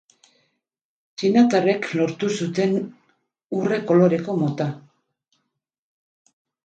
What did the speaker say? Txinatarrek lortu zuten urre-koloreko mota.